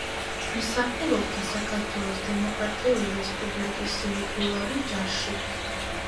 მსახურობდა საქართველოს დემოკრატიული რესპუბლიკის რეგულარულ ჯარში.